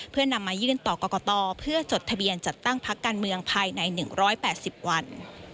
เพื่อนำมายื่นต่อกรกตเพื่อจดทะเบียนจัดตั้งพักการเมืองภายใน๑๘๐วัน